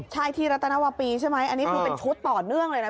ใช่ที่รัตนวปีใช่ไหมอันนี้คือเป็นชุดต่อเนื่องเลยนะ